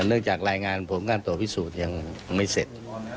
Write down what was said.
เนื่องจากรายงานผลการตรวจพิสูจน์ยังไม่เสร็จ